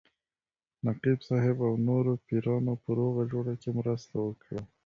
نقیب صاحب او نورو پیرانو په روغه جوړه کې مرسته وکړه.